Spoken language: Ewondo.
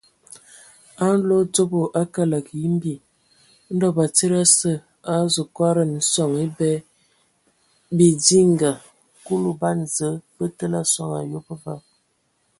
A nlodzobo a kələg yimbi, Ndɔ batsidi asǝ a azu kɔdan sɔŋ ebɛ bidinga; Kulu ban Zǝə bə təlǝ a soŋ ayob va.